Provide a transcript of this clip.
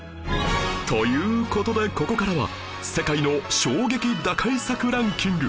という事でここからは世界の衝撃打開策ランキング